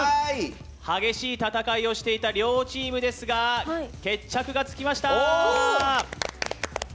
激しい戦いをしていた両チームでしたが決着がつきました！